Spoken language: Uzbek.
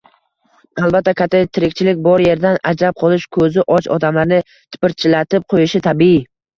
Albatta “katta tirikchilik” bor yerdan ajrab qolish koʻzi och odamlarni tipirchilatib qoʻyishi tabiiy...